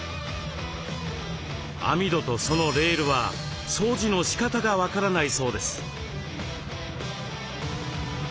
網戸とそのレールは掃除のしかたが分からないそうです。